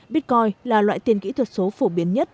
bitcoin là loại tiền kỹ thuật số phổ biến nhất